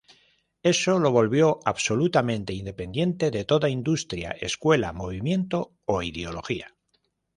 Eso lo volvió absolutamente independiente de toda industria, escuela, movimiento o ideología.